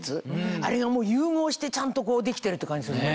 あれが融合してちゃんとできてるって感じするね。